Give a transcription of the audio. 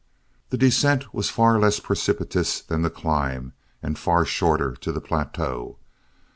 The descent was far less precipitous than the climb and far shorter to the plateau.